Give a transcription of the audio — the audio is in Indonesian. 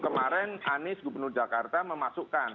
kemarin anies gubernur jakarta memasukkan